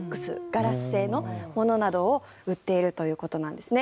ガラス製のものなどを売っているということなんです。